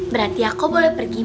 berarti aku boleh pergi